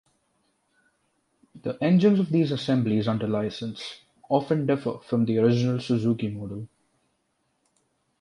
The engines of these assemblies under license often differ from the original Suzuki model.